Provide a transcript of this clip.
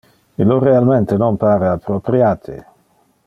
Illo realmente non pare appropriate.